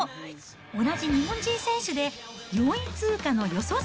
同じ日本人選手で４位通過の四十住